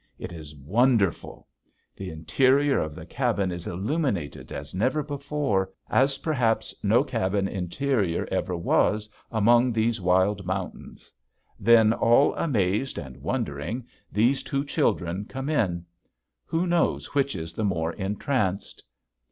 It is wonderful. The interior of the cabin is illuminated as never before, as perhaps no cabin interior ever was among these wild mountains. Then all amazed and wondering those two children come in. Who knows which is the more entranced?